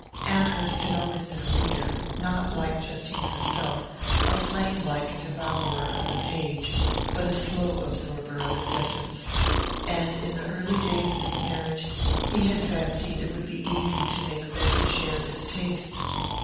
Amherst had always been a reader; not, like Justine herself, a flame like devourer of the page, but a slow absorber of its essence; and in the early days of his marriage he had fancied it would be easy to make Bessy share this taste.